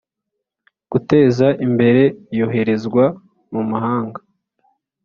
Guteza Imbere Iyoherezwa mu mahanga